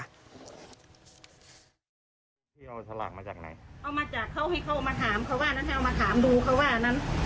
พี่เอาสลากมาจากไหนเอามาจากเขาให้เขามาถามเขาว่านั้นให้เอามาถามดูเขาว่าอันนั้น